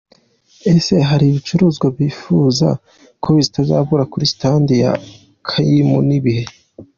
Ese hari ibicuruzwa wifuza ko bitazabura kuri Stand ya Kaymu? Ni ibihe?.